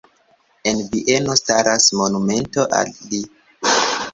En Vieno staras monumento al li.